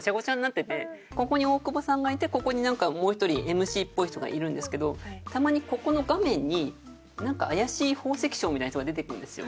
ここに大久保さんがいてここになんかもう一人ＭＣっぽい人がいるんですけどたまにここの画面になんか怪しい宝石商みたいな人が出てくるんですよ。